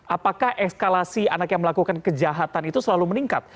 apakah eskalasi anak yang melakukan kejahatan itu selalu meningkat